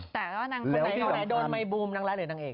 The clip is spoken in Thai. แต่ว่านางคนไหนคนไหนโดนไมบูมนางร้ายหรือนางเอก